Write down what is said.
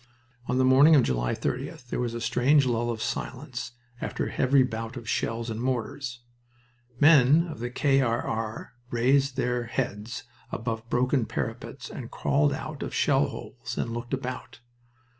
On the morning of July 30th there was a strange lull of silence after a heavy bout of shells and mortars. Men of the K. R. R. raised their heads above broken parapets and crawled out of shell holes and looked about.